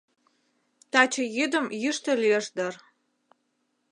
Таче йӱдым йӱштӧ лиеш дыр.